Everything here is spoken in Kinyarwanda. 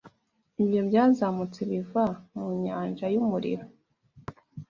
Ibyo, byazamutse biva mu nyanja yumuriro